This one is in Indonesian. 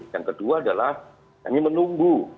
yang kedua adalah kami menunggu